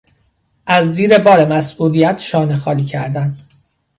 از زیر بار مسئولیت شانه خالی کردن